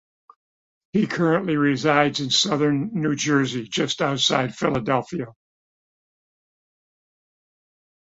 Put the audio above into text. He currently resides in southern New Jersey, just outside Philadelphia.